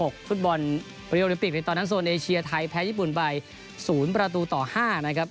ฟุตบอลโอลิโอลิมปิกในตอนนั้นโซนเอเชียไทยแพ้ญี่ปุ่นไป๐ประตูต่อ๕นะครับ